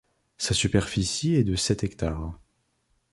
Sa superficie est de sept hectares.